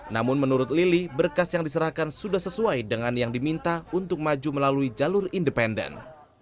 namun menurut lili berkas yang diserahkan sudah sesuai dengan yang diminta untuk maju melalui jalur independen